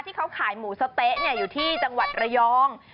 ที่เขาขายหมูสะเต๊ะอยู่ที่จังหวัดระยอง